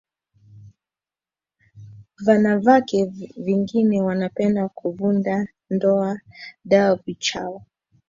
Vanavake vengine wapenda kuvunda ndoa dha vachu